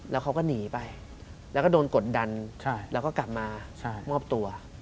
แล้วเขาก็หนีไปแล้วก็โดนกดดันแล้วก็กลับมามอบตัว